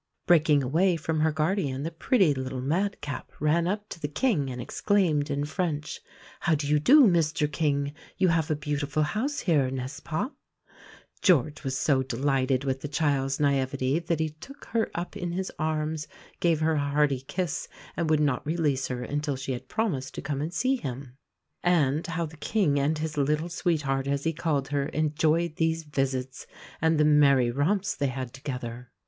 Breaking away from her guardian the pretty little madcap ran up to the King and exclaimed in French: "How do you do, Mr King? You have a beautiful house here, n'est ce pas?" George was so delighted with the child's naïveté that he took her up in his arms, gave her a hearty kiss, and would not release her until she had promised to come and see him. And how the King and his "little sweetheart," as he called her, enjoyed these visits! and the merry romps they had together!